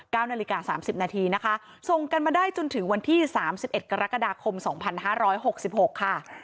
นาฬิกาสามสิบนาทีนะคะส่งกันมาได้จนถึงวันที่สามสิบเอ็ดกรกฎาคมสองพันห้าร้อยหกสิบหกค่ะ